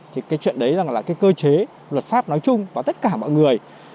thì cái chuyện đấy là cơ chế luật pháp nói chung và tất cả mọi người